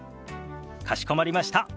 かしこまりました。